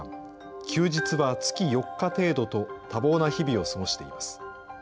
休日は月４日程度と、多忙な日々を過ごしています。